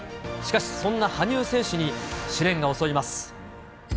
しかしそんな羽生選手に試練が襲います。